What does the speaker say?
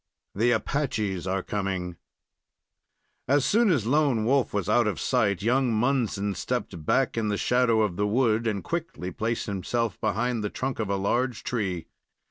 THE APACHES ARE COMING As soon as Lone Wolf was out of sight, young Munson stepped back in the shadow of the wood, and quickly placed himself behind the trunk of a large tree.